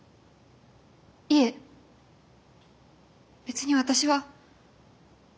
いえ別に私は。